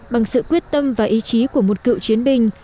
bằng sự quyết tâm và ý chí của một cựu chiến binh